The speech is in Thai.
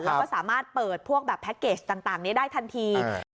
แล้วก็สามารถเปิดพวกแบบแพ็คเกจต่างนี้ได้ทันที